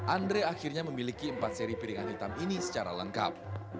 andre akhirnya memiliki empat seri piringan hitam ini secara lengkap